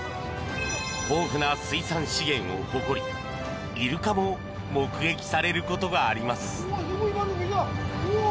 豊富な水産資源を誇りイルカも目撃されることがあります。